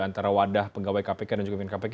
antara wadah pegawai kpk dan juga pimpinan kpk